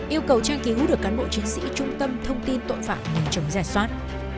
yêu cầu trang ký hút được cán bộ chiến sĩ trung tâm thông tin tội phạm nền chống giải soát